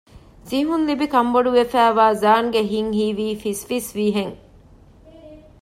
ސިހުންލިބި ކަންބޮޑުވެފައިވާ ޒާންގެ ހިތް ހީވީ ފިސްފިސްވިހެން